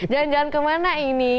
jalan jalan kemana ini